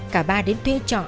cả ba đến thuê trọ